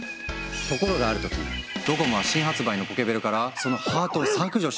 ところがある時ドコモは新発売のポケベルからそのハートを削除しちゃったの。